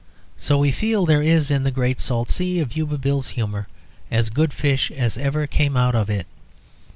So we feel that there is in the great salt sea of Yuba Bill's humour as good fish as ever came out of it.